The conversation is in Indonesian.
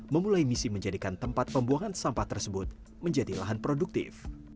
memulai misi menjadikan tempat pembuangan sampah tersebut menjadi lahan produktif